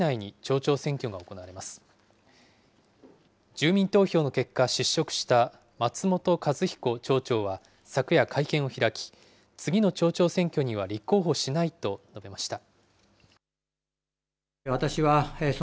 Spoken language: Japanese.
住民投票の結果、失職した松本一彦町長は昨夜会見を開き、次の町長選挙には立候補しないと述べました。